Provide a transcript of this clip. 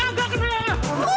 jalur doang jantung